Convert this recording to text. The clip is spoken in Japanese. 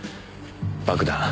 爆弾。